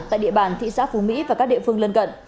tại địa bàn tp phú mỹ và các địa phương lân cận